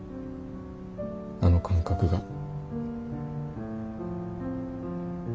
あの感覚が。